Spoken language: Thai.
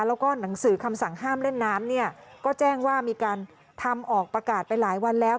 แล้วก็หนังสือคำสั่งห้ามเล่นน้ำเนี่ยก็แจ้งว่ามีการทำออกประกาศไปหลายวันแล้ว